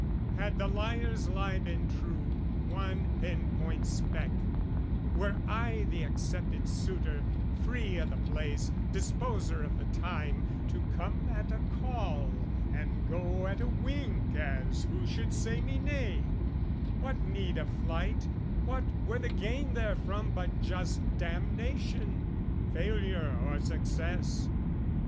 Had the liar's lie been true one pin point speck, Were I the accepted suitor, free o' the place, Disposer of the time, to come at a call And go at a wink as who should say me nay, What need of flight, what were the gain therefrom But just damnation, failure or success?